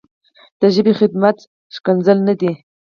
د ژبې خدمت ښکنځل نه دي نه.